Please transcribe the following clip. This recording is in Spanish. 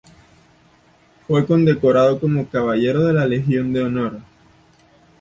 Fue condecorado como Caballero de la Legión de Honor.